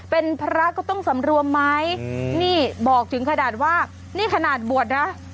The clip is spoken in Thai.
เป็นพระก็ต้องสำรวมไหมนี่บอกถึงขนาดว่านี่ขนาดบวชนะ